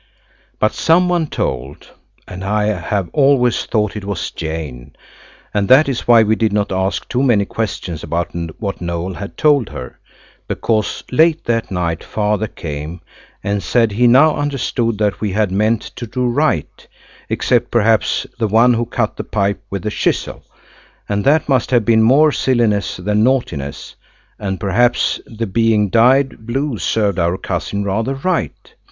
But some one told, and I have always thought it was Jane, and that is why we did not ask too many questions about what Noël had told her, because late that night Father came and said he now understood that we had meant to do right, except perhaps the one who cut the pipe with a chisel, and that must have been more silliness than naughtiness; and perhaps the being dyed blue served our cousin rather right.